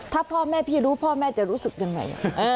ถ้าพ่อแม่พี่รู้พ่อแม่จะรู้สึกยังไง